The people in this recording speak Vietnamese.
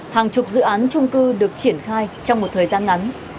hàng chục dự án trung cư được triển khai trong một thời gian ngắn